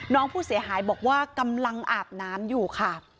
น้องผู้เสียหายบอกว่ากำลังอาบน้ำอยู่ค่ะ